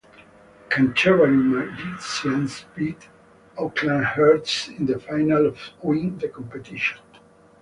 Canterbury Magicians beat Auckland Hearts in the final to win the competition.